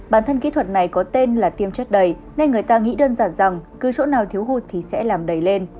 bản thân kỹ thuật này có tên là tiêm chất đầy nên người ta nghĩ đơn giản rằng cứ chỗ nào thiếu hụt thì sẽ làm đầy lên